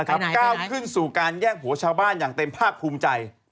ก้าวขึ้นสู่การแย่งผัวชาวบ้านอย่างเต็มภาคภูมิใจ